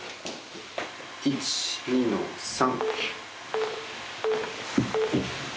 １２の３。